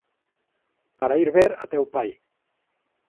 Para ir ver a teu pai.